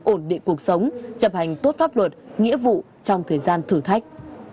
ổn định cuộc sống chấp hành tốt pháp luật nghĩa vụ trong thời gian thử thách